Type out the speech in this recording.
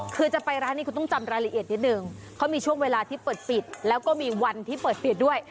คือจะไปร้านนี้คุณต้องจำรายละเอียดนิดนึงเขามีช่วงเวลาที่เปิดปิดแล้วก็มีวันที่เปิดปิดด้วย